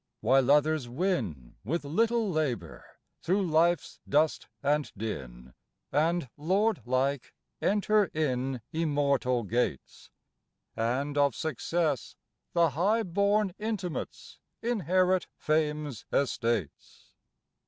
While others win With little labor through life's dust and din, And lord like enter in Immortal gates; And, of Success the high born intimates, Inherit Fame's estates....